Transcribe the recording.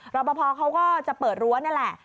รอปภเขาก็จะเปิดรั้วนี่แหละ